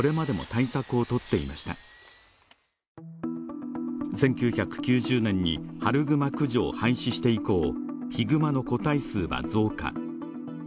１９９０年に春グマ駆除を廃止して以降ヒグマの個体数は増加